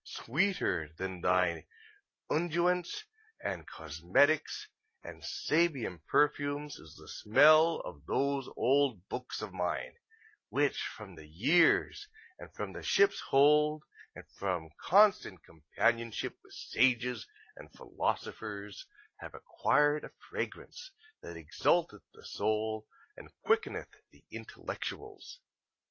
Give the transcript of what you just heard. Sweeter than thy unguents and cosmetics and Sabean perfumes is the smell of those old books of mine, which from the years and from the ship's hold and from constant companionship with sages and philosophers have acquired a fragrance that exalteth the soul and quickeneth the intellectuals!